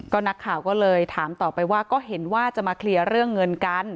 นักข่าวก็เลยถามต่อไปว่าก็เห็นว่าจะมาเคลียร์เรื่องเงินกัน